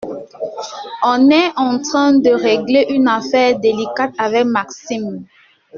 On est en train de régler une affaire délicate avec Maxime,